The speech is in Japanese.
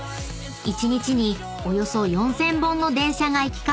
［一日におよそ４，０００本の電車が行き交う